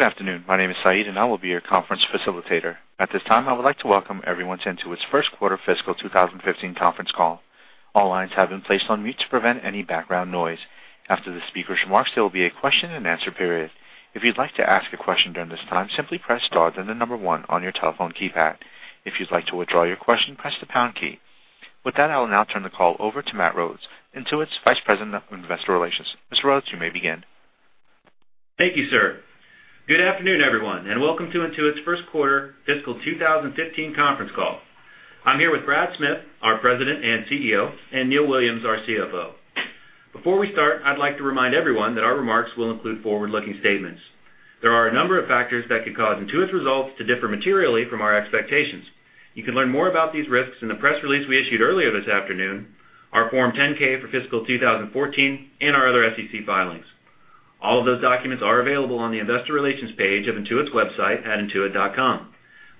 Good afternoon. My name is Saeed, and I will be your conference facilitator. At this time, I would like to welcome everyone to Intuit's first quarter fiscal 2015 conference call. All lines have been placed on mute to prevent any background noise. After the speakers' remarks, there will be a question and answer period. If you'd like to ask a question during this time, simply press star, then the number one on your telephone keypad. If you'd like to withdraw your question, press the pound key. With that, I will now turn the call over to Matt Rhodes, Intuit's Vice President of Investor Relations. Mr. Rhodes, you may begin. Thank you, sir. Good afternoon, everyone, and welcome to Intuit's first quarter fiscal 2015 conference call. I'm here with Brad Smith, our President and CEO, and Neil Williams, our CFO. Before we start, I'd like to remind everyone that our remarks will include forward-looking statements. There are a number of factors that could cause Intuit's results to differ materially from our expectations. You can learn more about these risks in the press release we issued earlier this afternoon, our Form 10-K for fiscal 2014, and our other SEC filings. All of those documents are available on the investor relations page of Intuit's website at Intuit.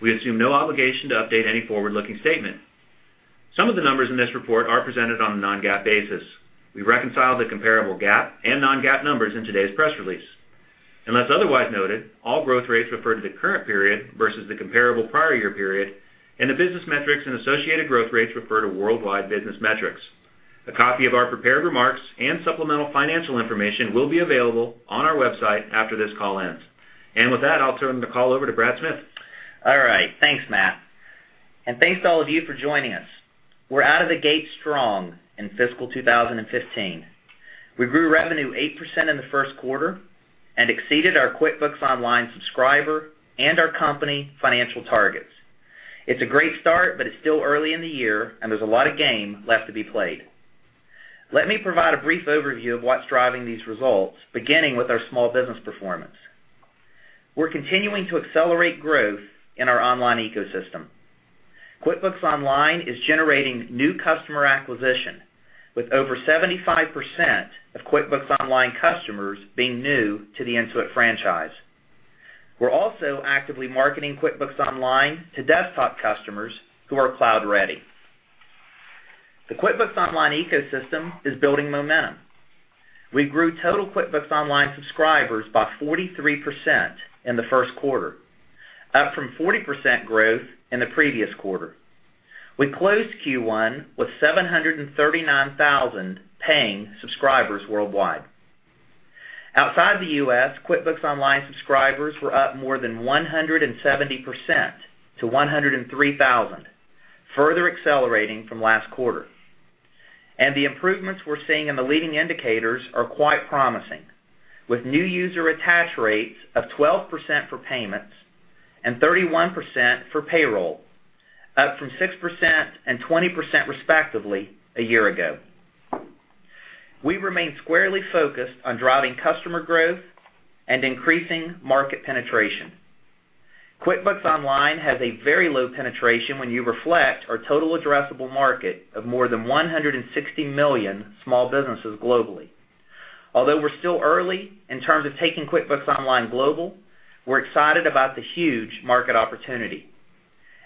We assume no obligation to update any forward-looking statement. Some of the numbers in this report are presented on a non-GAAP basis. We reconciled the comparable GAAP and non-GAAP numbers in today's press release. Unless otherwise noted, all growth rates refer to the current period versus the comparable prior year period, and the business metrics and associated growth rates refer to worldwide business metrics. A copy of our prepared remarks and supplemental financial information will be available on our website after this call ends. With that, I'll turn the call over to Brad Smith. All right. Thanks, Matt. Thanks to all of you for joining us. We're out of the gate strong in fiscal 2015. We grew revenue 8% in the first quarter and exceeded our QuickBooks Online subscriber and our company financial targets. It's a great start, but it's still early in the year, and there's a lot of game left to be played. Let me provide a brief overview of what's driving these results, beginning with our small business performance. We're continuing to accelerate growth in our online ecosystem. QuickBooks Online is generating new customer acquisition, with over 75% of QuickBooks Online customers being new to the Intuit franchise. We're also actively marketing QuickBooks Online to desktop customers who are cloud-ready. The QuickBooks Online ecosystem is building momentum. We grew total QuickBooks Online subscribers by 43% in the first quarter, up from 40% growth in the previous quarter. We closed Q1 with 739,000 paying subscribers worldwide. Outside the U.S., QuickBooks Online subscribers were up more than 170% to 103,000, further accelerating from last quarter. The improvements we're seeing in the leading indicators are quite promising, with new user attach rates of 12% for payments and 31% for payroll, up from 6% and 20% respectively a year ago. We remain squarely focused on driving customer growth and increasing market penetration. QuickBooks Online has a very low penetration when you reflect our total addressable market of more than 160 million small businesses globally. Although we're still early in terms of taking QuickBooks Online global, we're excited about the huge market opportunity.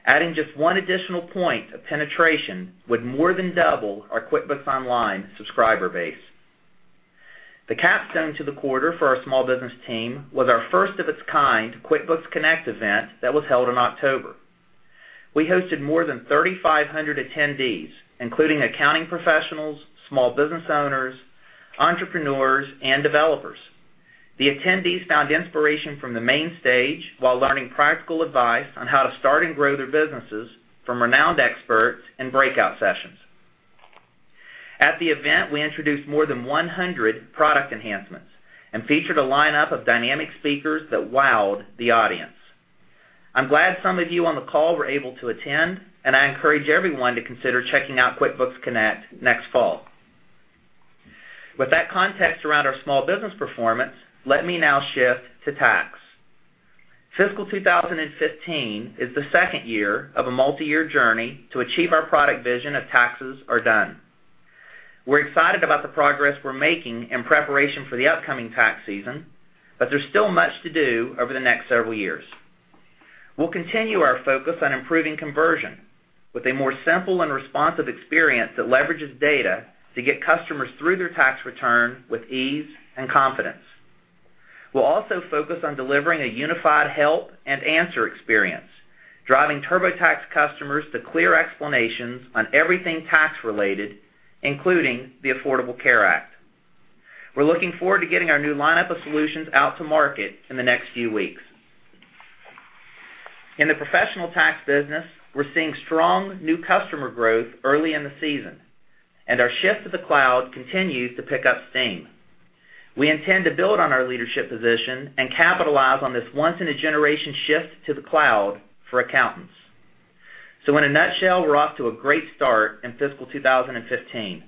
Adding just one additional point of penetration would more than double our QuickBooks Online subscriber base. The capstone to the quarter for our small business team was our first of its kind QuickBooks Connect event that was held in October. We hosted more than 3,500 attendees, including accounting professionals, small business owners, entrepreneurs, and developers. The attendees found inspiration from the main stage while learning practical advice on how to start and grow their businesses from renowned experts in breakout sessions. At the event, we introduced more than 100 product enhancements and featured a lineup of dynamic speakers that wowed the audience. I'm glad some of you on the call were able to attend, and I encourage everyone to consider checking out QuickBooks Connect next fall. With that context around our small business performance, let me now shift to tax. Fiscal 2015 is the second year of a multi-year journey to achieve our product vision of taxes are done. We're excited about the progress we're making in preparation for the upcoming tax season, but there's still much to do over the next several years. We'll continue our focus on improving conversion with a more simple and responsive experience that leverages data to get customers through their tax return with ease and confidence. We'll also focus on delivering a unified help and answer experience, driving TurboTax customers to clear explanations on everything tax-related, including the Affordable Care Act. We're looking forward to getting our new lineup of solutions out to market in the next few weeks. In the professional tax business, we're seeing strong new customer growth early in the season, our shift to the cloud continues to pick up steam. We intend to build on our leadership position and capitalize on this once-in-a-generation shift to the cloud for accountants. In a nutshell, we're off to a great start in fiscal 2015.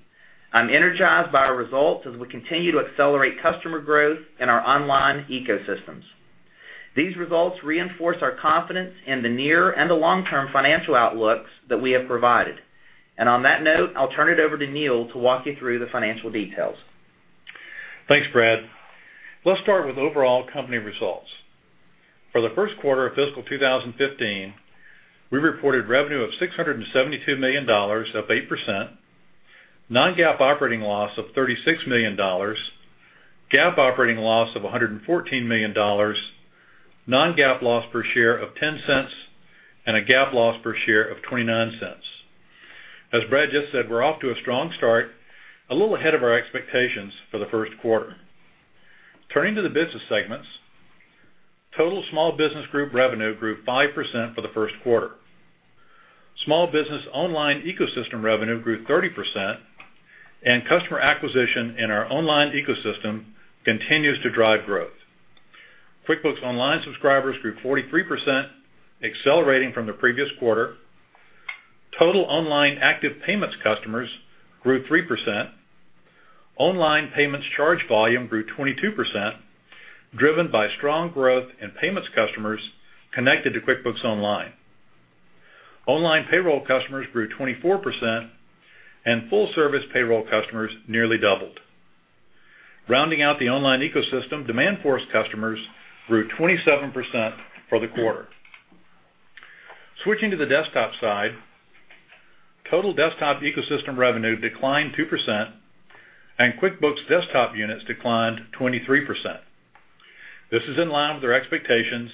I'm energized by our results as we continue to accelerate customer growth in our online ecosystems. These results reinforce our confidence in the near and the long-term financial outlooks that we have provided. On that note, I'll turn it over to Neil to walk you through the financial details. Thanks, Brad. Let's start with overall company results. For the first quarter of fiscal 2015, we reported revenue of $672 million, up 8%, non-GAAP operating loss of $36 million, GAAP operating loss of $114 million, non-GAAP loss per share of $0.10, and a GAAP loss per share of $0.29. As Brad just said, we're off to a strong start, a little ahead of our expectations for the first quarter. Turning to the business segments, total Small Business Group revenue grew 5% for the first quarter. Small Business Online Ecosystem revenue grew 30%, and customer acquisition in our online ecosystem continues to drive growth. QuickBooks Online subscribers grew 43%, accelerating from the previous quarter. Total Online Payments customers grew 3%. Online Payments charge volume grew 22%, driven by strong growth in payments customers connected to QuickBooks Online. Online Payroll customers grew 24%, and Full-Service Payroll customers nearly doubled. Rounding out the Online Ecosystem, Demandforce customers grew 27% for the quarter. Switching to the Desktop side, total Desktop Ecosystem revenue declined 2%, and QuickBooks Desktop units declined 23%. This is in line with our expectations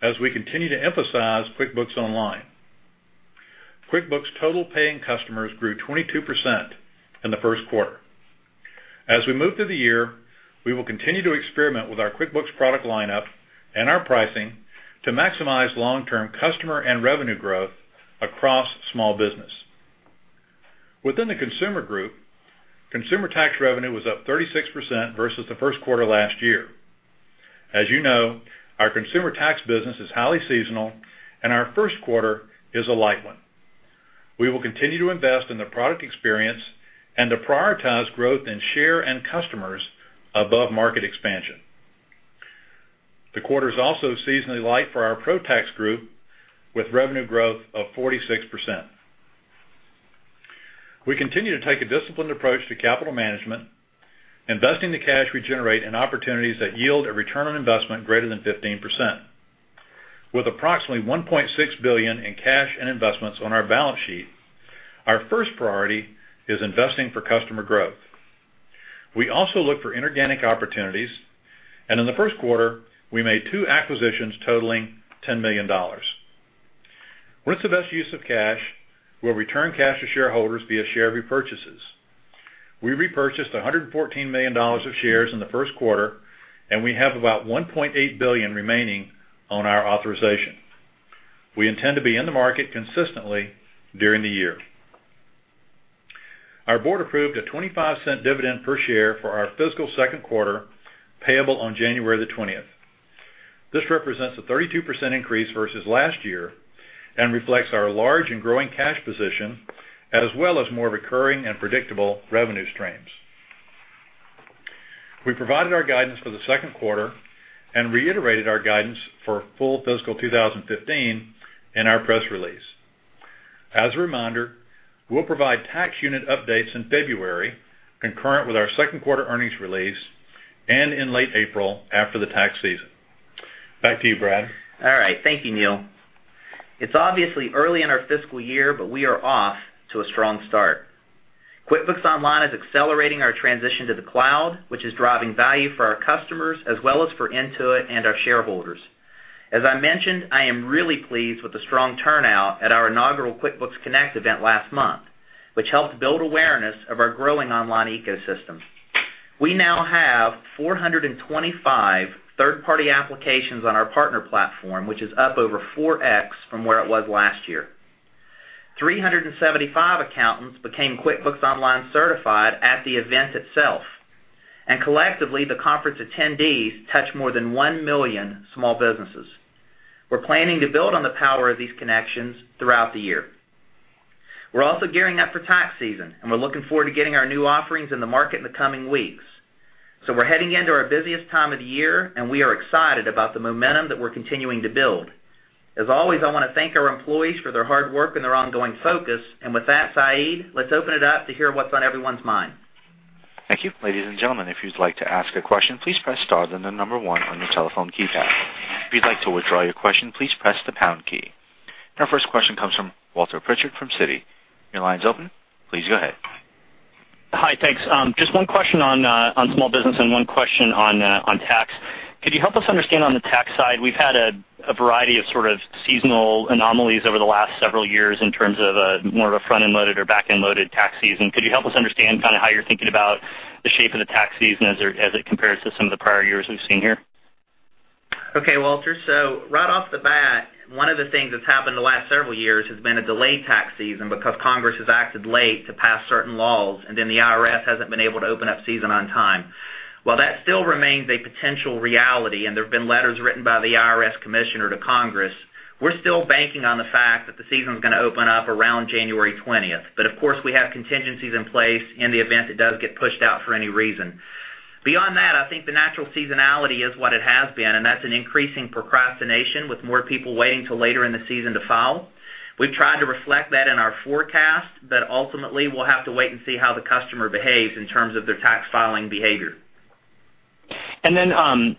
as we continue to emphasize QuickBooks Online. QuickBooks total paying customers grew 22% in the first quarter. As we move through the year, we will continue to experiment with our QuickBooks product lineup and our pricing to maximize long-term customer and revenue growth across small business. Within the Consumer Group, Consumer Tax revenue was up 36% versus the first quarter last year. As you know, our Consumer Tax business is highly seasonal, and our first quarter is a light one. The quarter's also seasonally light for our Pro-Tax Group, with revenue growth of 46%. We continue to take a disciplined approach to capital management, investing the cash we generate in opportunities that yield a return on investment greater than 15%. With approximately $1.6 billion in cash and investments on our balance sheet, our first priority is investing for customer growth. We also look for inorganic opportunities, and in the first quarter, we made two acquisitions totaling $10 million. When it's the best use of cash, we'll return cash to shareholders via share repurchases. We repurchased $114 million of shares in the first quarter, and we have about $1.8 billion remaining on our authorization. We intend to be in the market consistently during the year. Our board approved a $0.25 dividend per share for our fiscal second quarter, payable on January the 20th. This represents a 32% increase versus last year, and reflects our large and growing cash position, as well as more recurring and predictable revenue streams. We provided our guidance for the second quarter and reiterated our guidance for full fiscal 2015 in our press release. As a reminder, we will provide tax unit updates in February, concurrent with our second quarter earnings release, and in late April, after the tax season. Back to you, Brad. All right. Thank you, Neil. It is obviously early in our fiscal year, but we are off to a strong start. QuickBooks Online is accelerating our transition to the cloud, which is driving value for our customers, as well as for Intuit and our shareholders. As I mentioned, I am really pleased with the strong turnout at our inaugural QuickBooks Connect event last month, which helped build awareness of our growing online ecosystem. We now have 425 third-party applications on our partner platform, which is up over 4X from where it was last year. 375 accountants became QuickBooks Online certified at the event itself. Collectively, the conference attendees touched more than 1 million small businesses. We are planning to build on the power of these connections throughout the year. We are also gearing up for tax season, and we are looking forward to getting our new offerings in the market in the coming weeks. We are heading into our busiest time of the year, and we are excited about the momentum that we are continuing to build. As always, I want to thank our employees for their hard work and their ongoing focus. With that, Saeed, let us open it up to hear what is on everyone's mind. Thank you. Ladies and gentlemen, if you would like to ask a question, please press star, then the number one on your telephone keypad. If you would like to withdraw your question, please press the pound key. Our first question comes from Walter Pritchard from Citi. Your line is open. Please go ahead. Hi. Thanks. Just one question on small business and one question on tax. Could you help us understand on the tax side, we've had a variety of sort of seasonal anomalies over the last several years in terms of more of a front-end loaded or back-end loaded tax season. Could you help us understand kind of how you're thinking about the shape of the tax season as it compares to some of the prior years we've seen here? Okay, Walter. Right off the bat, one of the things that's happened the last several years has been a delayed tax season because Congress has acted late to pass certain laws, and the IRS hasn't been able to open up season on time. While that still remains a potential reality, and there have been letters written by the IRS commissioner to Congress, we're still banking on the fact that the season's going to open up around January 20th. Of course, we have contingencies in place in the event it does get pushed out for any reason. Beyond that, I think the natural seasonality is what it has been, and that's an increasing procrastination with more people waiting till later in the season to file. We've tried to reflect that in our forecast, but ultimately, we'll have to wait and see how the customer behaves in terms of their tax filing behavior. Then,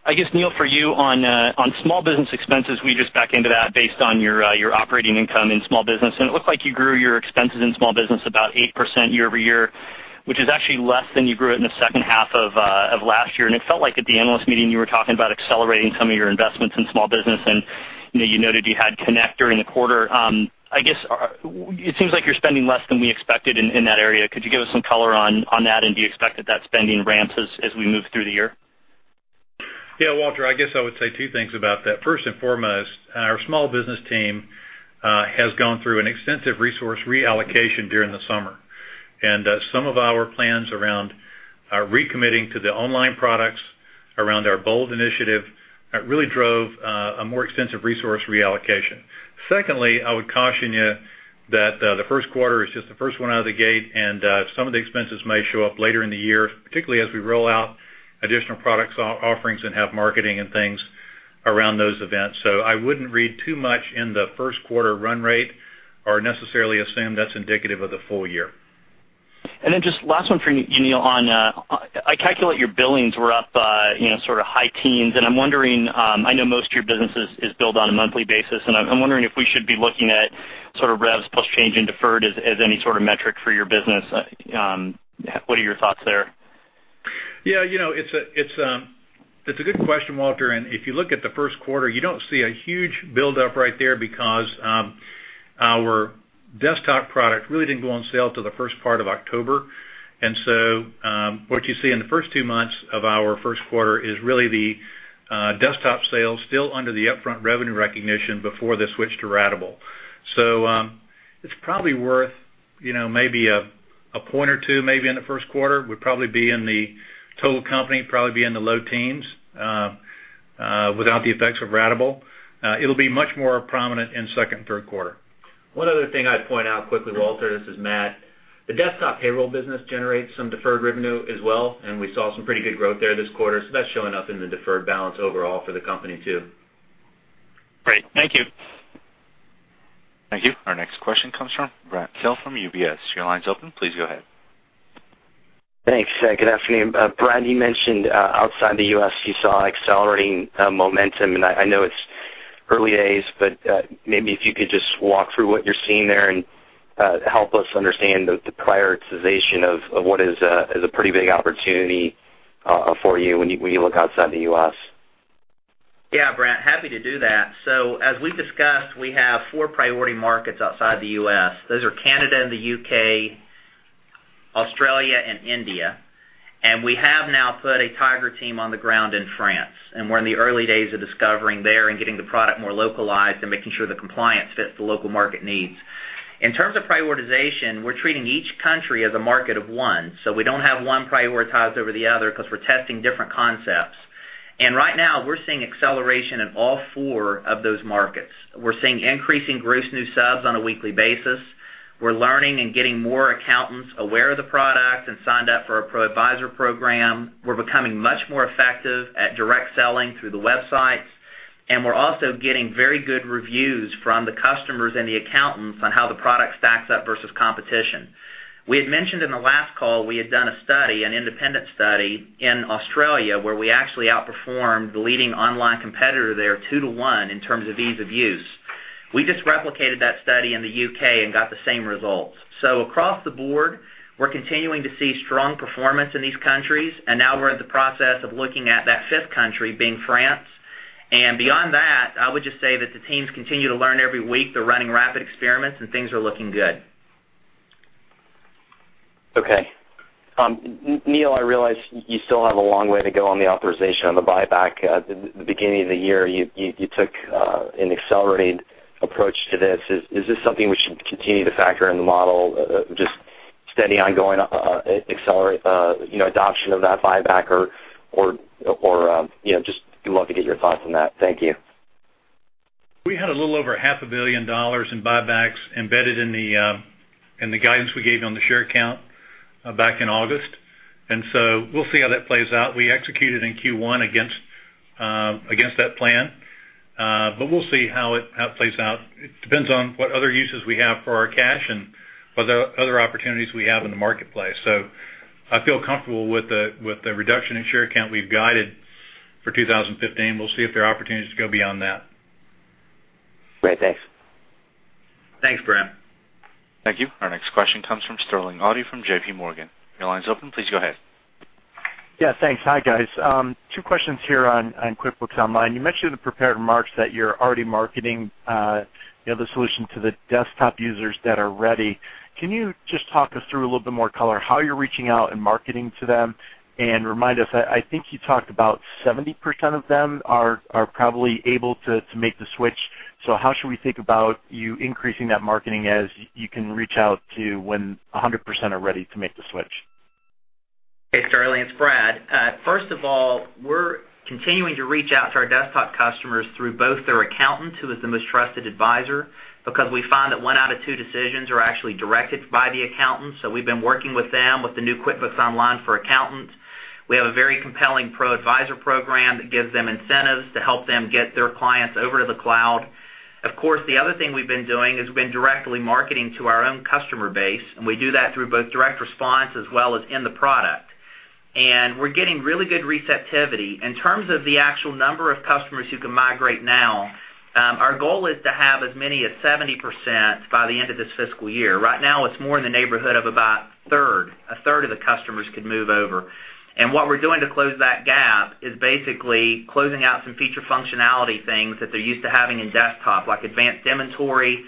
I guess, Neil, for you on small business expenses, we just back into that based on your operating income in small business, and it looked like you grew your expenses in small business about 8% year-over-year, which is actually less than you grew it in the second half of last year. It felt like at the analyst meeting, you were talking about accelerating some of your investments in small business, and you noted you had Connect during the quarter. It seems like you're spending less than we expected in that area. Could you give us some color on that? Do you expect that spending ramps as we move through the year? Walter, I guess I would say two things about that. First and foremost, our small business team has gone through an extensive resource reallocation during the summer. Some of our plans around recommitting to the online products, around our Bold initiative, really drove a more extensive resource reallocation. Secondly, I would caution you that the first quarter is just the first one out of the gate, and some of the expenses may show up later in the year, particularly as we roll out additional product offerings and have marketing and things around those events. I wouldn't read too much in the first quarter run rate or necessarily assume that's indicative of the full year. Just last one for you, Neil. I calculate your billings were up high teens, and I'm wondering, I know most of your business is billed on a monthly basis, and I'm wondering if we should be looking at sort of revs plus change in deferred as any sort of metric for your business. What are your thoughts there? It's a good question, Walter, if you look at the first quarter, you don't see a huge buildup right there because our desktop product really didn't go on sale till the first part of October. What you see in the first two months of our first quarter is really the desktop sales still under the upfront revenue recognition before they switch to ratable. It's probably worth maybe a point or two, maybe in the first quarter, would probably be in the total company, probably be in the low teens, without the effects of ratable. It'll be much more prominent in second and third quarter. One other thing I'd point out quickly, Walter, this is Matt. The desktop payroll business generates some deferred revenue as well, and we saw some pretty good growth there this quarter, that's showing up in the deferred balance overall for the company too. Great. Thank you. Thank you. Our next question comes from Brent Thill from UBS. Your line's open. Please go ahead. Thanks. Good afternoon. Brad, you mentioned outside the U.S., you saw accelerating momentum. I know it's early days, but maybe if you could just walk through what you're seeing there and help us understand the prioritization of what is a pretty big opportunity for you when you look outside the U.S. Yeah, Brent, happy to do that. As we discussed, we have four priority markets outside the U.S. Those are Canada and the U.K., Australia, and India. We have now put a tiger team on the ground in France, and we're in the early days of discovering there and getting the product more localized and making sure the compliance fits the local market needs. In terms of prioritization, we're treating each country as a market of one. We don't have one prioritized over the other because we're testing different concepts. Right now, we're seeing acceleration in all four of those markets. We're seeing increasing gross new subs on a weekly basis. We're learning and getting more accountants aware of the product and signed up for our ProAdvisor program. We're becoming much more effective at direct selling through the websites. We're also getting very good reviews from the customers and the accountants on how the product stacks up versus competition. We had mentioned in the last call, we had done a study, an independent study in Australia, where we actually outperformed the leading online competitor there 2 to 1 in terms of ease of use. We just replicated that study in the U.K. and got the same results. Across the board, we're continuing to see strong performance in these countries, and now we're in the process of looking at that fifth country being France. Beyond that, I would just say that the teams continue to learn every week. They're running rapid experiments, and things are looking good. Okay. Neil, I realize you still have a long way to go on the authorization on the buyback. At the beginning of the year, you took an accelerated approach to this. Is this something we should continue to factor in the model, just steady ongoing adoption of that buyback, or just would love to get your thoughts on that. Thank you. We had a little over half a billion dollars in buybacks embedded in the guidance we gave you on the share count back in August, we'll see how that plays out. We executed in Q1 against that plan, we'll see how it plays out. It depends on what other uses we have for our cash and what other opportunities we have in the marketplace. I feel comfortable with the reduction in share count we've guided for 2015. We'll see if there are opportunities to go beyond that. Great. Thanks. Thanks, Brent. Thank you. Our next question comes from Sterling Autry from JP Morgan. Your line's open. Please go ahead. Yeah, thanks. Hi, guys. Two questions here on QuickBooks Online. You mentioned in the prepared remarks that you're already marketing the solution to the desktop users that are ready. Can you just talk us through a little bit more color how you're reaching out and marketing to them? Remind us, I think you talked about 70% of them are probably able to make the switch. How should we think about you increasing that marketing as you can reach out to when 100% are ready to make the switch? Hey, Sterling, it's Brad. First of all, we're continuing to reach out to our desktop customers through both their accountant, who is the most trusted advisor, because we find that one out of two decisions are actually directed by the accountant. We've been working with them with the new QuickBooks Online for accountants. We have a very compelling ProAdvisor program that gives them incentives to help them get their clients over to the cloud. Of course, the other thing we've been doing is we've been directly marketing to our own customer base, and we do that through both direct response as well as in the product. We're getting really good receptivity. In terms of the actual number of customers who can migrate now, our goal is to have as many as 70% by the end of this fiscal year. Right now, it's more in the neighborhood of about a third. A third of the customers could move over. What we're doing to close that gap is basically closing out some feature functionality things that they're used to having in QuickBooks Desktop, like advanced inventory,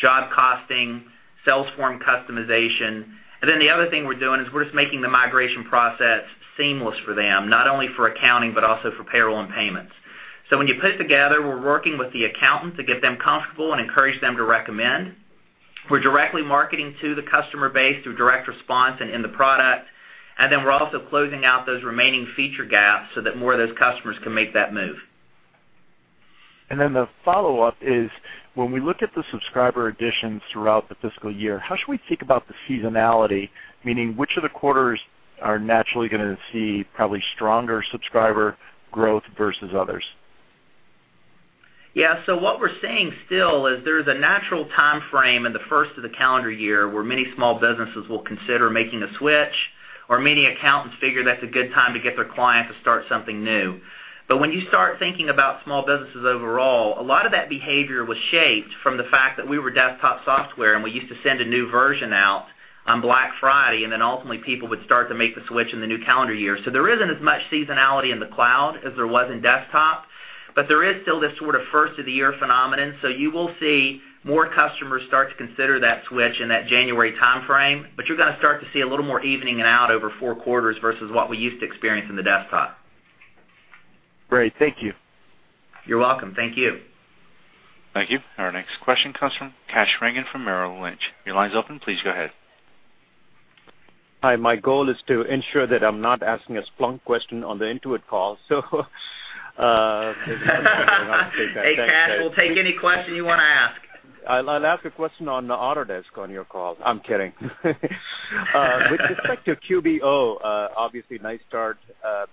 job costing, sales form customization. The other thing we're doing is we're just making the migration process seamless for them, not only for accounting, but also for payroll and payments. When you put it together, we're working with the accountant to get them comfortable and encourage them to recommend. We're directly marketing to the customer base through direct response and in the product, we're also closing out those remaining feature gaps so that more of those customers can make that move. The follow-up is, when we look at the subscriber additions throughout the fiscal year, how should we think about the seasonality? Meaning, which of the quarters are naturally going to see probably stronger subscriber growth versus others? Yeah. What we're seeing still is there's a natural timeframe in the first of the calendar year where many small businesses will consider making a switch, or many accountants figure that's a good time to get their client to start something new. When you start thinking about small businesses overall, a lot of that behavior was shaped from the fact that we were QuickBooks Desktop software, ultimately people would start to make the switch in the new calendar year. There isn't as much seasonality in the cloud as there was in QuickBooks Desktop, but there is still this sort of first-of-the-year phenomenon. You will see more customers start to consider that switch in that January timeframe, but you're going to start to see a little more evening out over four quarters versus what we used to experience in the QuickBooks Desktop. Great. Thank you. You're welcome. Thank you. Thank you. Our next question comes from Kash Rangan from Merrill Lynch. Your line's open. Please go ahead. Hi. My goal is to ensure that I'm not asking a Splunk question on the Intuit call. Hey, Kash, we'll take any question you want to ask. I'll ask a question on Autodesk on your call. I'm kidding. With respect to QBO, obviously nice start in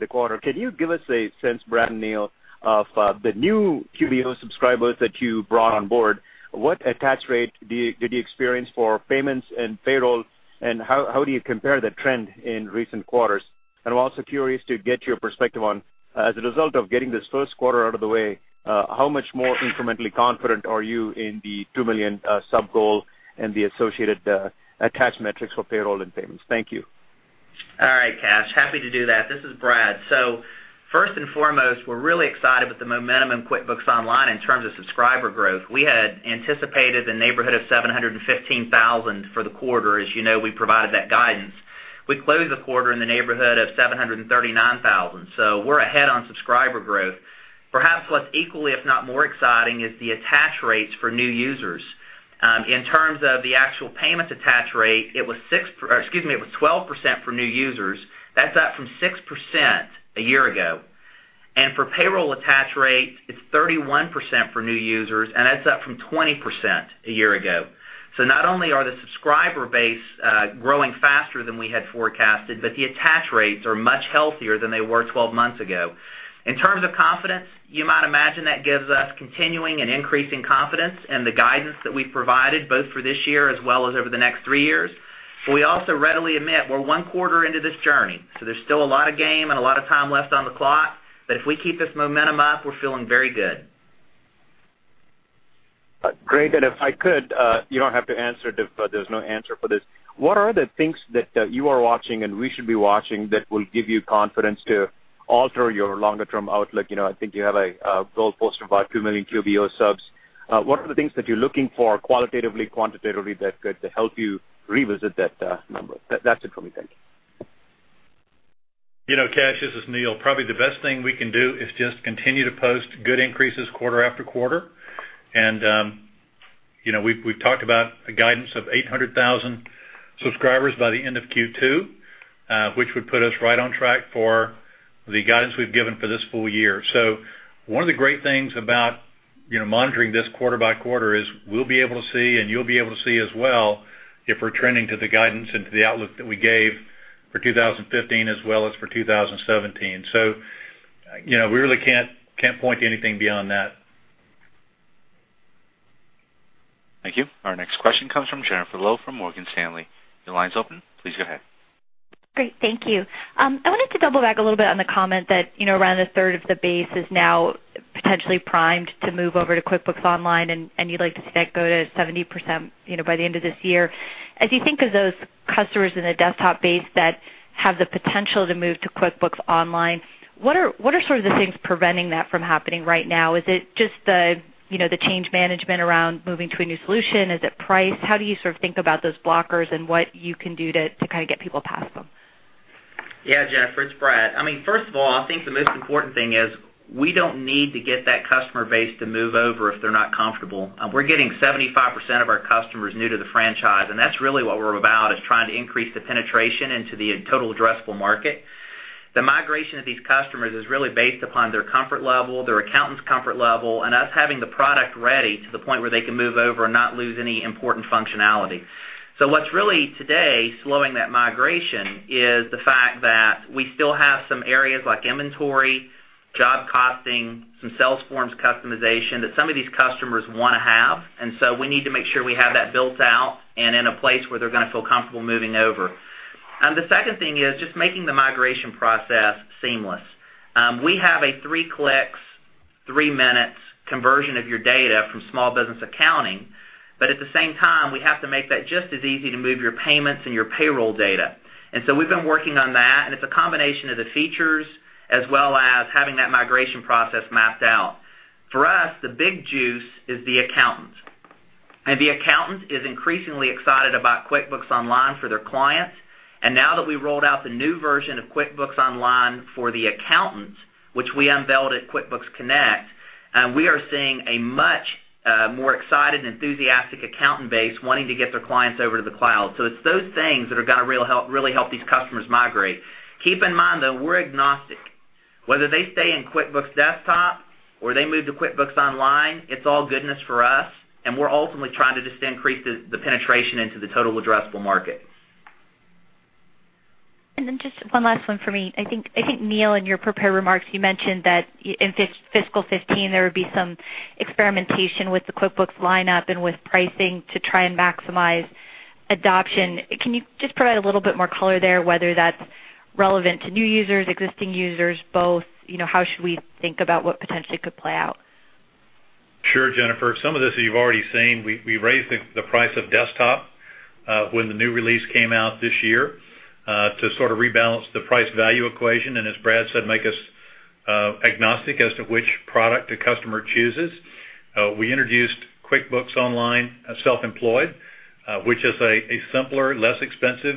the quarter. Can you give us a sense, Brad and Neil, of the new QBO subscribers that you brought on board? What attach rate did you experience for payments and payroll, and how do you compare the trend in recent quarters? I'm also curious to get your perspective on, as a result of getting this first quarter out of the way, how much more incrementally confident are you in the 2 million sub goal and the associated attach metrics for payroll and payments? Thank you. All right, Kash. Happy to do that. This is Brad. First and foremost, we're really excited with the momentum in QuickBooks Online in terms of subscriber growth. We had anticipated the neighborhood of 715,000 for the quarter. As you know, we provided that guidance. We closed the quarter in the neighborhood of 739,000. We're ahead on subscriber growth. Perhaps what's equally, if not more exciting, is the attach rates for new users. In terms of the actual payments attach rate, it was 12% for new users. That's up from 6% a year ago. For payroll attach rate, it's 31% for new users, and that's up from 20% a year ago. Not only are the subscriber base growing faster than we had forecasted, but the attach rates are much healthier than they were 12 months ago. In terms of confidence, you might imagine that gives us continuing and increasing confidence in the guidance that we've provided both for this year as well as over the next 3 years. We also readily admit we're one quarter into this journey, so there's still a lot of game and a lot of time left on the clock. If we keep this momentum up, we're feeling very good. Great. If I could, you don't have to answer if there's no answer for this. What are the things that you are watching and we should be watching that will give you confidence to alter your longer-term outlook? I think you have a goalpost of about 2 million QBO subs. What are the things that you're looking for qualitatively, quantitatively, that could help you revisit that number? That's it for me. Thank you. Kash, this is Neil. Probably the best thing we can do is just continue to post good increases quarter after quarter. We've talked about a guidance of 800,000 subscribers by the end of Q2, which would put us right on track for the guidance we've given for this full year. One of the great things about monitoring this quarter by quarter is we'll be able to see, and you'll be able to see as well, if we're trending to the guidance and to the outlook that we gave for 2015 as well as for 2017. We really can't point to anything beyond that. Thank you. Our next question comes from Jennifer Lowe from Morgan Stanley. Your line's open. Please go ahead. Great. Thank you. I wanted to double back a little bit on the comment that around a third of the base is now potentially primed to move over to QuickBooks Online, you'd like to see that go to 70% by the end of this year. As you think of those customers in the desktop base that have the potential to move to QuickBooks Online, what are sort of the things preventing that from happening right now? Is it just the change management around moving to a new solution? Is it price? How do you sort of think about those blockers and what you can do to kind of get people past them? Jennifer, it's Brad. I mean, first of all, I think the most important thing is we don't need to get that customer base to move over if they're not comfortable. We're getting 75% of our customers new to the franchise. That's really what we're about, is trying to increase the penetration into the total addressable market. The migration of these customers is really based upon their comfort level, their accountant's comfort level, and us having the product ready to the point where they can move over and not lose any important functionality. What's really, today, slowing that migration is the fact that we still have some areas like inventory, job costing, some sales forms customization that some of these customers want to have. We need to make sure we have that built out and in a place where they're going to feel comfortable moving over. The second thing is just making the migration process seamless. We have a three clicks, three minutes conversion of your data from small business accounting. At the same time, we have to make that just as easy to move your payments and your payroll data. We've been working on that, and it's a combination of the features as well as having that migration process mapped out. For us, the big juice is the accountant. The accountant is increasingly excited about QuickBooks Online for their clients. Now that we rolled out the new version of QuickBooks Online for the accountants, which we unveiled at QuickBooks Connect, we are seeing a much more excited and enthusiastic accountant base wanting to get their clients over to the cloud. It's those things that are going to really help these customers migrate. Keep in mind, though, we're agnostic. Whether they stay in QuickBooks Desktop or they move to QuickBooks Online, it's all goodness for us. We're ultimately trying to just increase the penetration into the total addressable market. Just one last one for me. I think, Neil, in your prepared remarks, you mentioned that in fiscal 2015, there would be some experimentation with the QuickBooks lineup and with pricing to try and maximize adoption. Can you just provide a little bit more color there, whether that's relevant to new users, existing users, both? How should we think about what potentially could play out? Sure, Jennifer. Some of this you've already seen. We raised the price of QuickBooks Desktop when the new release came out this year to sort of rebalance the price-value equation, and as Brad said, make us agnostic as to which product a customer chooses. We introduced QuickBooks Online Self-Employed, which is a simpler, less expensive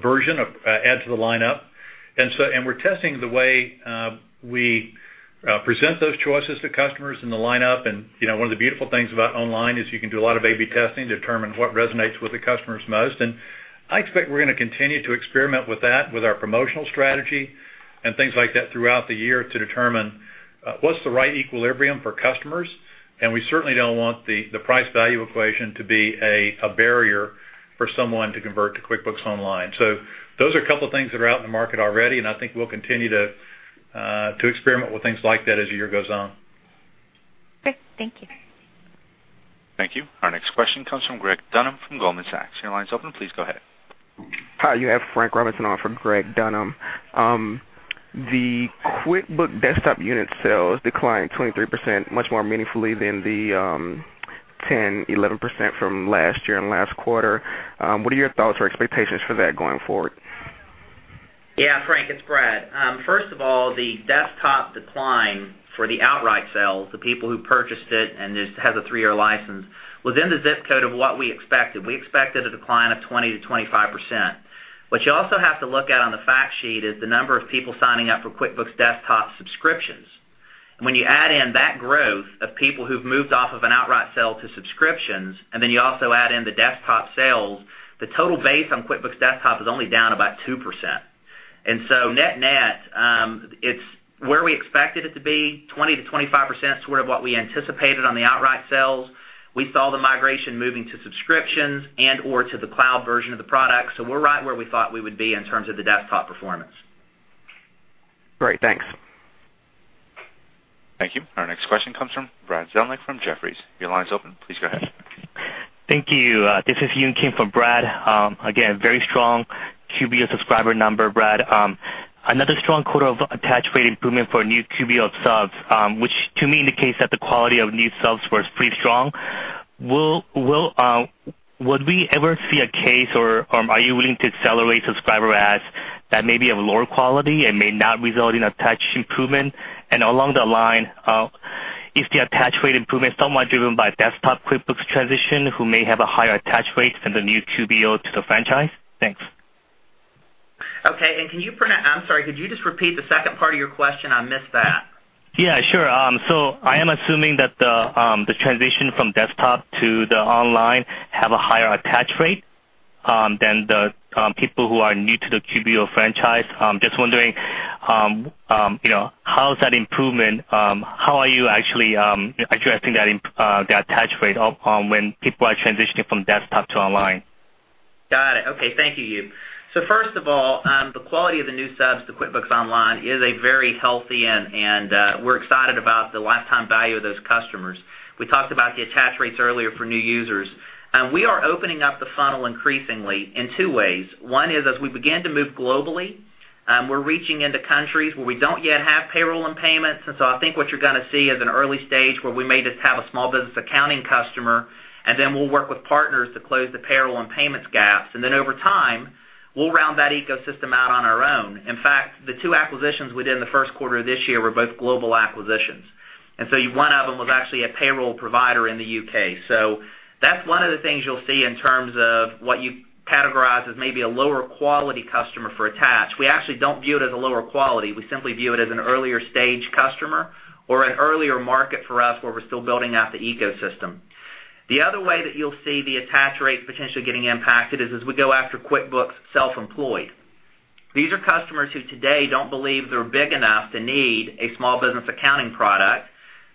version, add to the lineup. We're testing the way we present those choices to customers in the lineup, and one of the beautiful things about QuickBooks Online is you can do a lot of A/B testing to determine what resonates with the customers most. I expect we're going to continue to experiment with that, with our promotional strategy, and things like that throughout the year to determine what's the right equilibrium for customers. We certainly don't want the price-value equation to be a barrier for someone to convert to QuickBooks Online. Those are a couple of things that are out in the market already, and I think we'll continue to experiment with things like that as the year goes on. Great. Thank you. Thank you. Our next question comes from Greg Dunham from Goldman Sachs. Your line's open. Please go ahead. Hi, you have Frank Robinson on for Greg Dunham. The QuickBooks Desktop unit sales declined 23%, much more meaningfully than the 10%-11% from last year and last quarter. What are your thoughts or expectations for that going forward? Yeah, Frank, it's Brad. First of all, the Desktop decline for the outright sales, the people who purchased it and just have a three-year license, was in the zip code of what we expected. We expected a decline of 20%-25%. What you also have to look at on the fact sheet is the number of people signing up for QuickBooks Desktop subscriptions. When you add in that growth of people who've moved off of an outright sale to subscriptions, then you also add in the Desktop sales, the total base on QuickBooks Desktop is only down about 2%. So net-net, it's where we expected it to be, 20%-25% is sort of what we anticipated on the outright sales. We saw the migration moving to subscriptions and/or to the cloud version of the product. We're right where we thought we would be in terms of the Desktop performance. Great. Thanks. Thank you. Our next question comes from Brad Zelnick from Jefferies. Your line is open. Please go ahead. Thank you. This is Yoon Kim for Brad. Again, very strong QBO subscriber number, Brad. Another strong quarter of attach rate improvement for new QBO subs, which to me indicates that the quality of new subs was pretty strong. Would we ever see a case or are you willing to accelerate subscriber adds that may be of lower quality and may not result in attach improvement? Along that line, if the attach rate improvement is somewhat driven by QuickBooks Desktop transition, who may have a higher attach rate than the new QBO to the franchise? Thanks. Okay. I'm sorry, could you just repeat the second part of your question? I missed that. Yeah, sure. I am assuming that the transition from Desktop to the Online have a higher attach rate than the people who are new to the QBO franchise. Just wondering, how's that improvement? How are you actually addressing that attach rate when people are transitioning from Desktop to Online? Got it. Okay. Thank you, Yoon. First of all, the quality of the new subs to QuickBooks Online is a very healthy end, and we're excited about the lifetime value of those customers. We talked about the attach rates earlier for new users. We are opening up the funnel increasingly in two ways. One is as we begin to move globally, we're reaching into countries where we don't yet have payroll and payments. I think what you're going to see is an early stage where we may just have a small business accounting customer, and then we'll work with partners to close the payroll and payments gaps. Over time, we'll round that ecosystem out on our own. In fact, the two acquisitions within the first quarter of this year were both global acquisitions. One of them was actually a payroll provider in the U.K. That's one of the things you'll see in terms of what you categorize as maybe a lower quality customer for attach. We actually don't view it as a lower quality. We simply view it as an earlier stage customer or an earlier market for us where we're still building out the ecosystem. The other way that you'll see the attach rate potentially getting impacted is as we go after QuickBooks Self-Employed. These are customers who today don't believe they're big enough to need a small business accounting product,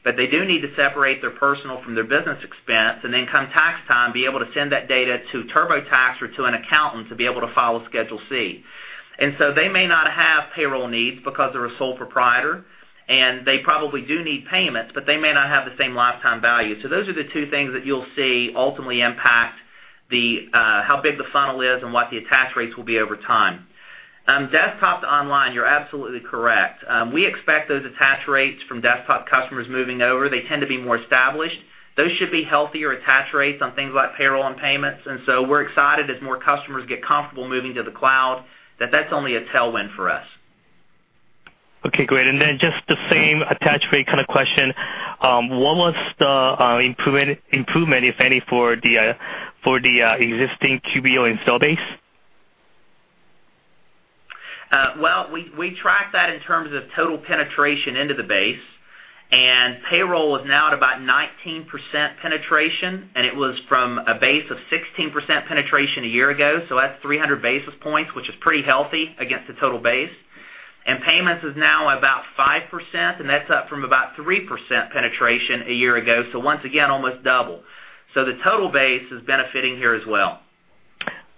but they do need to separate their personal from their business expense, and then come tax time, be able to send that data to TurboTax or to an accountant to be able to file a Schedule C. They may not have payroll needs because they're a sole proprietor, and they probably do need payments, but they may not have the same lifetime value. Those are the two things that you'll see ultimately impact how big the funnel is and what the attach rates will be over time. Desktop to online, you're absolutely correct. We expect those attach rates from desktop customers moving over. They tend to be more established. Those should be healthier attach rates on things like payroll and payments. We're excited as more customers get comfortable moving to the cloud, that that's only a tailwind for us. Okay, great. Just the same attach rate kind of question. What was the improvement, if any, for the existing QBO install base? We track that in terms of total penetration into the base. Payroll is now at about 19% penetration, and it was from a base of 16% penetration a year ago. That's 300 basis points, which is pretty healthy against the total base. Payments is now about 5%, and that's up from about 3% penetration a year ago. Once again, almost double. The total base is benefiting here as well.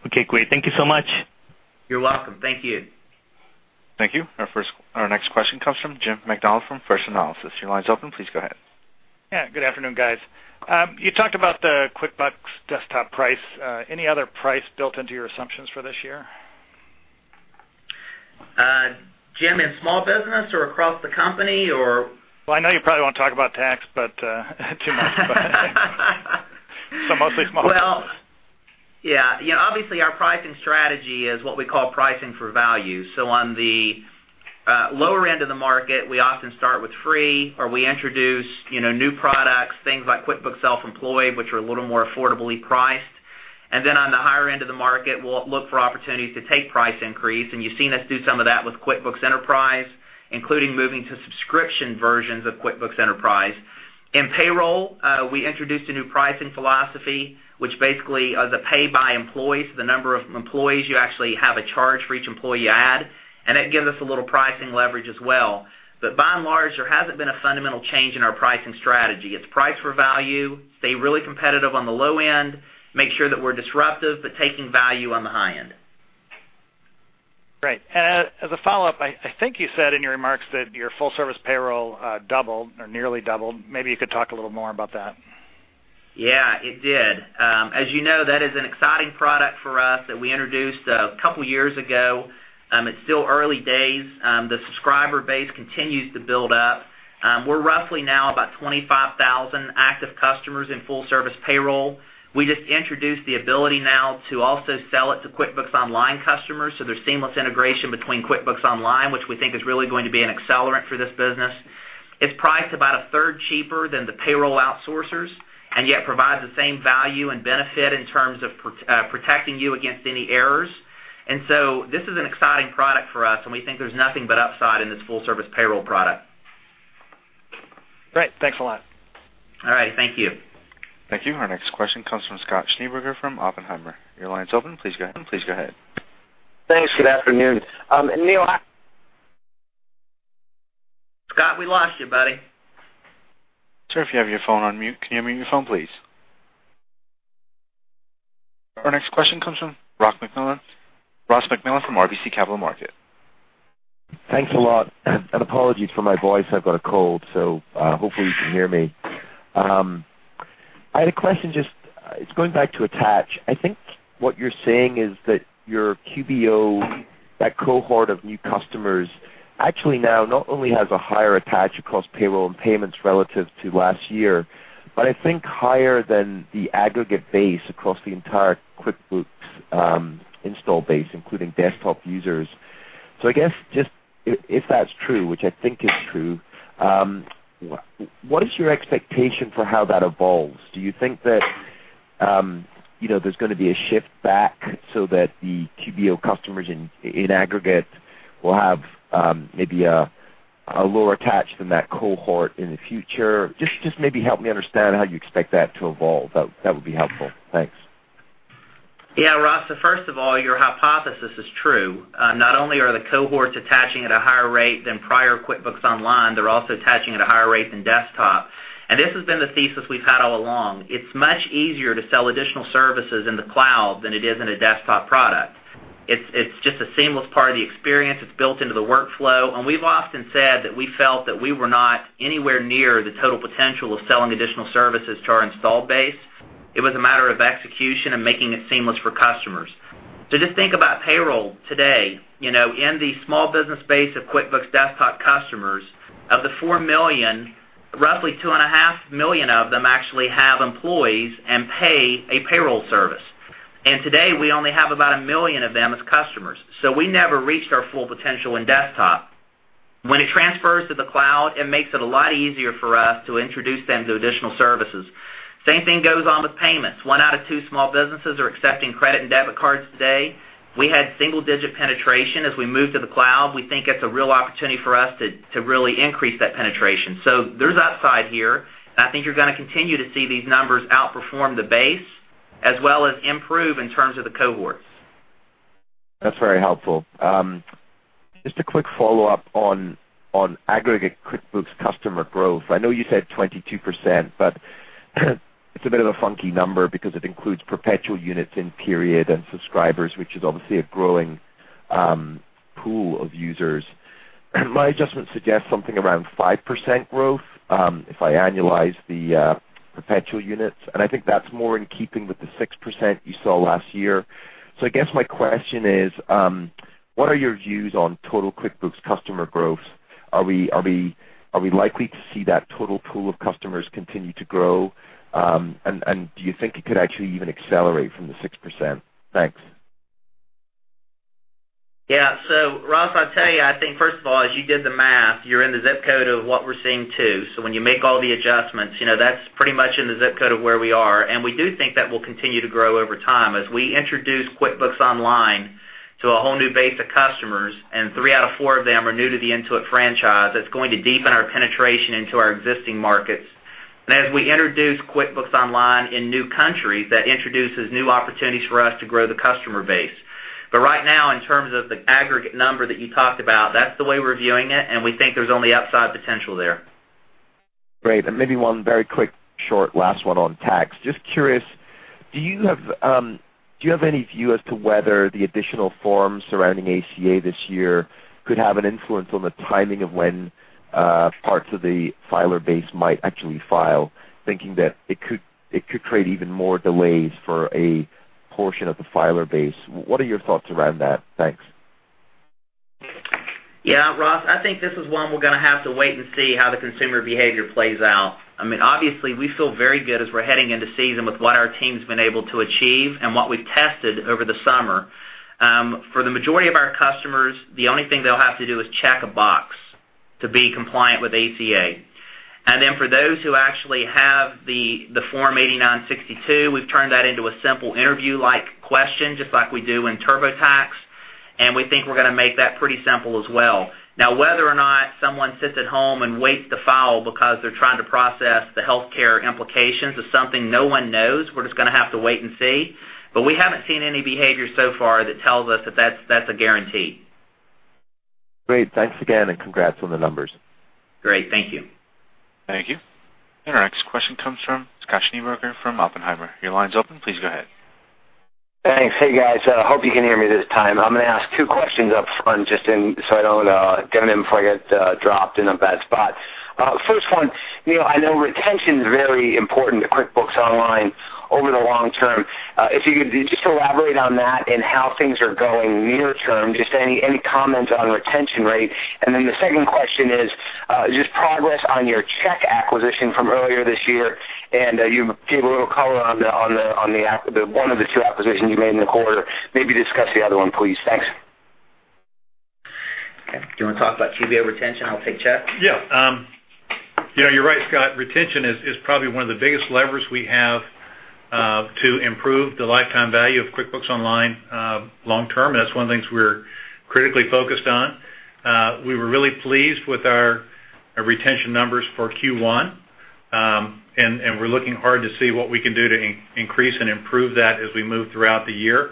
Okay, great. Thank you so much. You're welcome. Thank you. Thank you. Our next question comes from Jim Macdonald from First Analysis. Your line is open. Please go ahead. Yeah, good afternoon, guys. You talked about the QuickBooks Desktop price. Any other price built into your assumptions for this year? Jim, in small business or across the company or? Well, I know you probably won't talk about tax, but too much, but. Mostly small business. Well, yeah. Obviously, our pricing strategy is what we call pricing for value. On the lower end of the market, we often start with free, or we introduce new products, things like QuickBooks Self-Employed, which are a little more affordably priced. On the higher end of the market, we'll look for opportunities to take price increase. You've seen us do some of that with QuickBooks Enterprise, including moving to subscription versions of QuickBooks Enterprise. In payroll, we introduced a new pricing philosophy, which basically is a pay by employee, so the number of employees, you actually have a charge for each employee you add. That gives us a little pricing leverage as well. By and large, there hasn't been a fundamental change in our pricing strategy. It's price for value, stay really competitive on the low end, make sure that we're disruptive, taking value on the high end. Great. As a follow-up, I think you said in your remarks that your Full Service Payroll doubled or nearly doubled. Maybe you could talk a little more about that. Yeah, it did. As you know, that is an exciting product for us that we introduced a couple years ago. It's still early days. The subscriber base continues to build up. We're roughly now about 25,000 active customers in Full Service Payroll. We just introduced the ability now to also sell it to QuickBooks Online customers, there's seamless integration between QuickBooks Online, which we think is really going to be an accelerant for this business. It's priced about a third cheaper than the payroll outsourcers, yet provides the same value and benefit in terms of protecting you against any errors. This is an exciting product for us, and we think there's nothing but upside in this Full Service Payroll product. Great. Thanks a lot. All right. Thank you. Thank you. Our next question comes from Scott Schneeberger from Oppenheimer. Your line's open. Please go ahead. Thanks. Good afternoon. Neil. Scott, we lost you, buddy. Sir, if you have your phone on mute, can you mute your phone, please? Our next question comes from Ross MacMillan from RBC Capital Markets. Thanks a lot. Apologies for my voice. I've got a cold, hopefully you can hear me. I had a question, just, it's going back to attach. I think what you're saying is that your QBO, that cohort of new customers, actually now not only has a higher attach across payroll and payments relative to last year, but I think higher than the aggregate base across the entire QuickBooks install base, including desktop users. I guess, just if that's true, which I think is true, what is your expectation for how that evolves? Do you think that there's going to be a shift back so that the QBO customers in aggregate will have maybe a lower attach than that cohort in the future? Just maybe help me understand how you expect that to evolve. That would be helpful. Thanks. Yeah, Ross, first of all, your hypothesis is true. Not only are the cohorts attaching at a higher rate than prior QuickBooks Online, they're also attaching at a higher rate than desktop. This has been the thesis we've had all along. It's much easier to sell additional services in the cloud than it is in a desktop product. It's just a seamless part of the experience. It's built into the workflow. We've often said that we felt that we were not anywhere near the total potential of selling additional services to our install base. It was a matter of execution and making it seamless for customers. Just think about payroll today. In the small business base of QuickBooks desktop customers, of the 4 million, roughly 2.5 million of them actually have employees and pay a payroll service. Today, we only have about 1 million of them as customers. We never reached our full potential in desktop. When it transfers to the cloud, it makes it a lot easier for us to introduce them to additional services. Same thing goes on with payments. One out of two small businesses are accepting credit and debit cards today. We had single-digit penetration. As we move to the cloud, we think it's a real opportunity for us to really increase that penetration. There's upside here. I think you're going to continue to see these numbers outperform the base as well as improve in terms of the cohorts. That's very helpful. Just a quick follow-up on aggregate QuickBooks customer growth. I know you said 22%, but it's a bit of a funky number because it includes perpetual units in period and subscribers, which is obviously a growing pool of users. My adjustment suggests something around 5% growth if I annualize the perpetual units, and I think that's more in keeping with the 6% you saw last year. I guess my question is, what are your views on total QuickBooks customer growth? Are we likely to see that total pool of customers continue to grow? Do you think it could actually even accelerate from the 6%? Thanks. Yeah. Ross, I'll tell you, I think, first of all, as you did the math, you're in the zip code of what we're seeing too. When you make all the adjustments, that's pretty much in the zip code of where we are. We do think that we'll continue to grow over time as we introduce QuickBooks Online to a whole new base of customers, and three out of four of them are new to the Intuit franchise. That's going to deepen our penetration into our existing markets. As we introduce QuickBooks Online in new countries, that introduces new opportunities for us to grow the customer base. Right now, in terms of the aggregate number that you talked about, that's the way we're viewing it, and we think there's only upside potential there. Great. Maybe one very quick, short last one on tax. Just curious, do you have any view as to whether the additional forms surrounding ACA this year could have an influence on the timing of when parts of the filer base might actually file, thinking that it could create even more delays for a portion of the filer base. What are your thoughts around that? Thanks. Yeah, Ross, I think this is one we're gonna have to wait and see how the consumer behavior plays out. Obviously, we feel very good as we're heading into season with what our team's been able to achieve and what we've tested over the summer. For the majority of our customers, the only thing they'll have to do is check a box to be compliant with ACA. Then for those who actually have the Form 8962, we've turned that into a simple interview-like question, just like we do in TurboTax, and we think we're gonna make that pretty simple as well. Now, whether or not someone sits at home and waits to file because they're trying to process the healthcare implications is something no one knows. We're just gonna have to wait and see. We haven't seen any behavior so far that tells us that that's a guarantee. Great. Thanks again, and congrats on the numbers. Great. Thank you. Thank you. Our next question comes from Scott Schneeberger from Oppenheimer. Your line is open. Please go ahead. Thanks. Hey, guys. I hope you can hear me this time. I'm going to ask two questions up front just so I don't get them before I get dropped in a bad spot. First one, Neil, I know retention is very important to QuickBooks Online over the long term. If you could just elaborate on that and how things are going near term, just any comments on retention rate. Then the second question is just progress on your Check acquisition from earlier this year. You gave a little color on one of the two acquisitions you made in the quarter. Maybe discuss the other one, please. Thanks. Okay. Do you wanna talk about QBO retention? I'll take Check. Yeah. You're right, Scott. Retention is probably one of the biggest levers we have to improve the lifetime value of QuickBooks Online long term, and that's one of the things we're critically focused on. We were really pleased with our retention numbers for Q1, and we're looking hard to see what we can do to increase and improve that as we move throughout the year.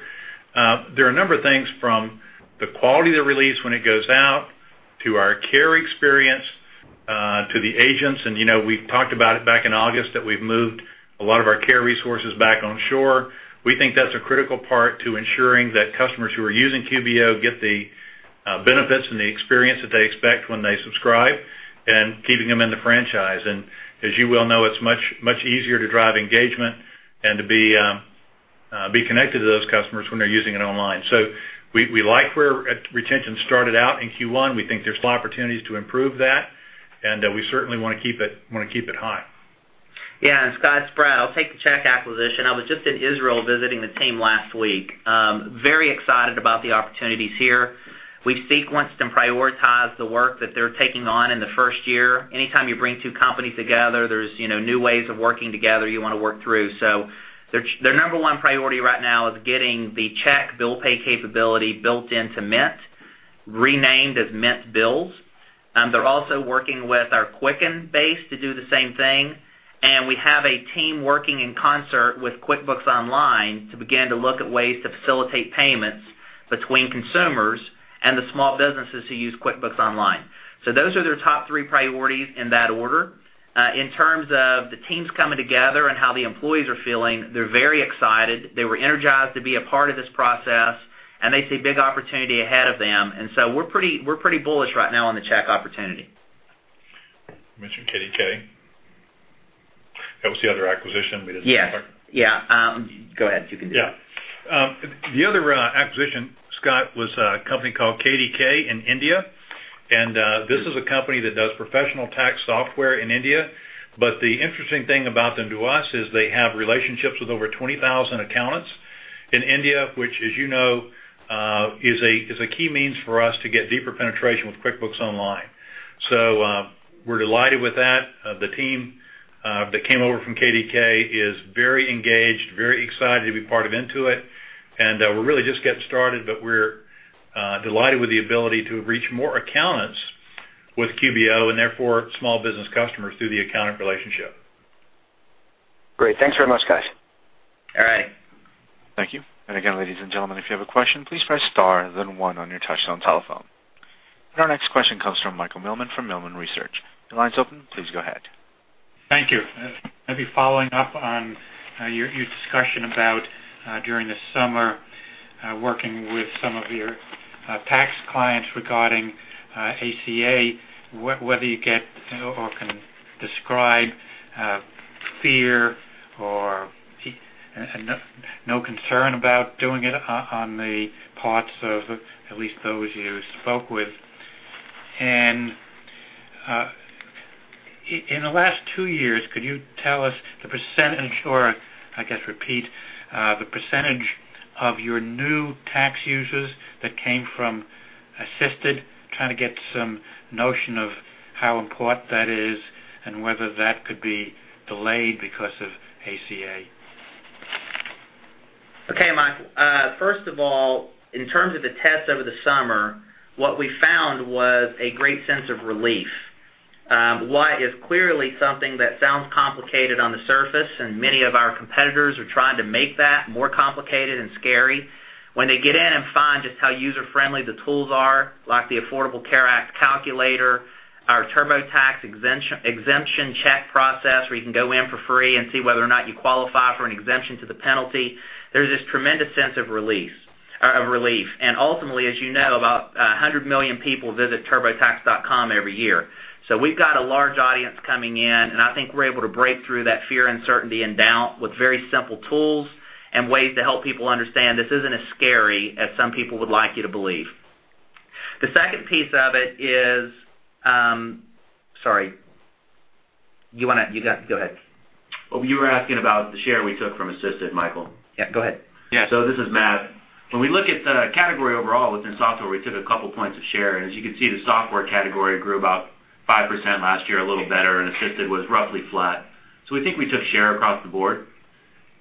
There are a number of things from the quality of the release when it goes out to our care experience, to the agents, and we've talked about it back in August, that we've moved a lot of our care resources back onshore. We think that's a critical part to ensuring that customers who are using QBO get the benefits and the experience that they expect when they subscribe, and keeping them in the franchise. As you well know, it's much easier to drive engagement and to be connected to those customers when they're using it online. We like where retention started out in Q1. We think there's opportunities to improve that, and we certainly wanna keep it high. Yeah. Scott, it's Brad. I'll take the Check acquisition. I was just in Israel visiting the team last week. Very excited about the opportunities here. We've sequenced and prioritized the work that they're taking on in the first year. Anytime you bring two companies together, there's new ways of working together you wanna work through. Their number 1 priority right now is getting the Check bill pay capability built into Mint, renamed as Mint Bills. They're also working with our Quicken base to do the same thing, and we have a team working in concert with QuickBooks Online to begin to look at ways to facilitate payments between consumers and the small businesses who use QuickBooks Online. Those are their top three priorities in that order. In terms of the teams coming together and how the employees are feeling, they're very excited. They were energized to be a part of this process, and they see big opportunity ahead of them. We're pretty bullish right now on the Check opportunity. You mentioned KDK. That was the other acquisition we didn't talk about. Yeah. Go ahead. You can do it. Yeah. The other acquisition, Scott, was a company called KDK in India. This is a company that does professional tax software in India. The interesting thing about them to us is they have relationships with over 20,000 accountants in India, which as you know, is a key means for us to get deeper penetration with QuickBooks Online. We're delighted with that. The team that came over from KDK is very engaged, very excited to be part of Intuit. We're really just getting started, but we're delighted with the ability to reach more accountants. With QBO, therefore small business customers through the accountant relationship. Great. Thanks very much, guys. All right. Thank you. Again, ladies and gentlemen, if you have a question, please press star, then one on your touchtone telephone. Our next question comes from Michael Millman from Millman Research. Your line's open, please go ahead. Thank you. Maybe following up on your discussion about during the summer, working with some of your tax clients regarding ACA, whether you get or can describe fear or no concern about doing it on the parts of at least those you spoke with. In the last two years, could you tell us the %, or I guess, repeat the % of your new tax users that came from assisted, trying to get some notion of how important that is and whether that could be delayed because of ACA. Okay, Mike. First of all, in terms of the test over the summer, what we found was a great sense of relief. What is clearly something that sounds complicated on the surface, and many of our competitors are trying to make that more complicated and scary, when they get in and find just how user-friendly the tools are, like the Affordable Care Act calculator, our TurboTax exemption check process, where you can go in for free and see whether or not you qualify for an exemption to the penalty, there's this tremendous sense of relief. Ultimately, as you know, about 100 million people visit TurboTax every year. We've got a large audience coming in, and I think we're able to break through that fear, uncertainty, and doubt with very simple tools and ways to help people understand this isn't as scary as some people would like you to believe. The second piece of it is. Sorry. You want to go ahead. Well, you were asking about the share we took from Assisted, Michael. Yeah, go ahead. This is Matt. When we look at the category overall within software, we took a couple points of share. As you can see, the software category grew about 5% last year, a little better, and Assisted was roughly flat. We think we took share across the board,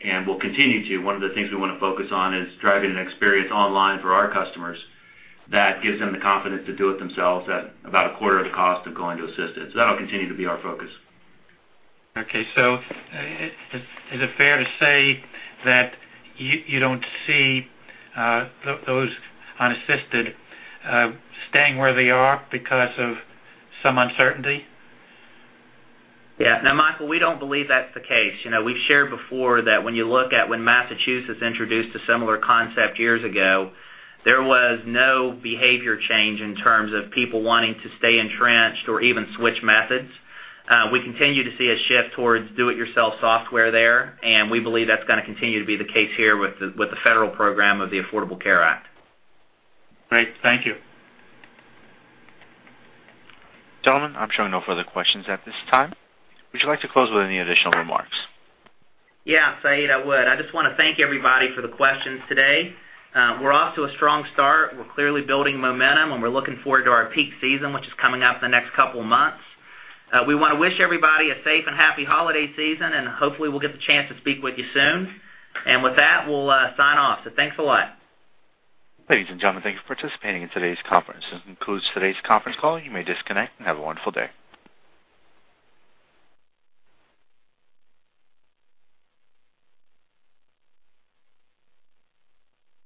and we'll continue to. One of the things we want to focus on is driving an experience online for our customers that gives them the confidence to do it themselves at about a quarter of the cost of going to Assisted. That'll continue to be our focus. Is it fair to say that you don't see those on Assisted staying where they are because of some uncertainty? No, Michael, we don't believe that's the case. We've shared before that when you look at when Massachusetts introduced a similar concept years ago, there was no behavior change in terms of people wanting to stay entrenched or even switch methods. We continue to see a shift towards do-it-yourself software there, and we believe that's going to continue to be the case here with the federal program of the Affordable Care Act. Great. Thank you. Gentlemen, I'm showing no further questions at this time. Would you like to close with any additional remarks? Yeah, Saeed, I would. I just want to thank everybody for the questions today. We're off to a strong start. We're clearly building momentum. We're looking forward to our peak season, which is coming up in the next couple of months. We want to wish everybody a safe and happy holiday season. Hopefully, we'll get the chance to speak with you soon. With that, we'll sign off. Thanks a lot. Ladies and gentlemen, thank you for participating in today's conference. This concludes today's conference call. You may disconnect and have a wonderful day.